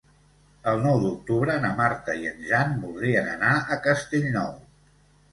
El nou d'octubre na Marta i en Jan voldrien anar a Castellnou.